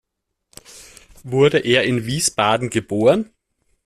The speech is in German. Wurde er in Wiesbaden geboren?